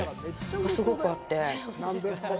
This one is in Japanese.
すごくあって。